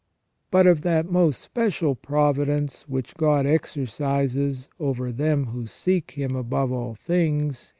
But of that most special providence which God exercises over them who seek Him above all things.